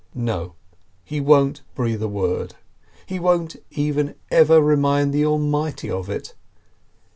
No, he won't breathe a word. He won't even ever remind the Almighty of it.